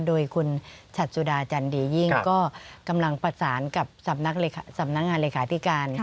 โดยคุณฉัดสุดาจันดียิ่งก็กำลังประสานกับสำนักงานเลขาธิการ